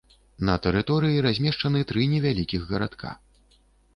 На тэрыторыі размешчаны тры невялікіх гарадка.